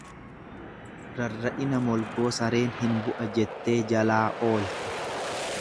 Rarra'ina molgoo sareen hin bu'a jettee jalaa oolte.